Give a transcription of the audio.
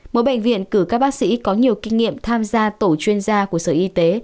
mỗi bệnh viện cử các bác sĩ có nhiều kinh nghiệm tham gia tổ chuyên gia của sở y tế